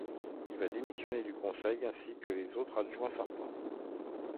Il va démissionner du Conseil ainsi que les autres adjoints sortants.